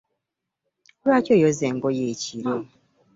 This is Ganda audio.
Lwaki oyoza engoye ekiro ?